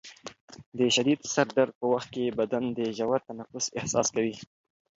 د شدید سر درد په وخت کې بدن د ژور تنفس احساس کوي.